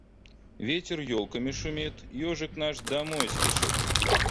Ветер елками шумит, ежик наш домой спешит.